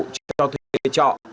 cho thuê chọ